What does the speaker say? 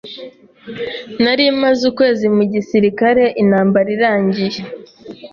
Nari maze ukwezi mu gisirikare intambara irangiye.